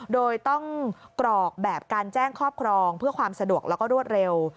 โดยต้องกรอกแบบการแจ้งครอบครองเพื่อความสะดวกแล้วก็รวดเร็ว